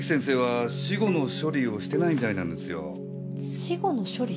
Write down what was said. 死後の処理？